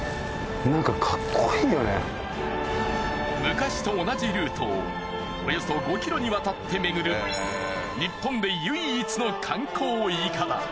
昔と同じルートをおよそ５キロにわたって巡る日本で唯一の観光筏。